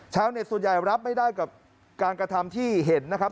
ชาวเน็ตส่วนใหญ่รับไม่ได้กับการกระทำที่เห็นนะครับ